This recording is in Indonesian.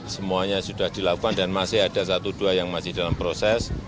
semuanya sudah dilakukan dan masih ada satu dua yang masih dalam proses